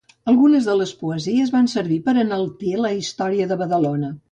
Algunes de les poesies van servir per enaltir la història de Badalona.